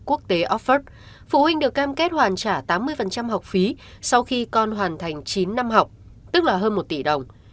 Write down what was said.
quốc tế offord phụ huynh được cam kết hoàn trả tám mươi học phí sau khi con hoàn thành chín năm học tức là hơn một tỷ đồng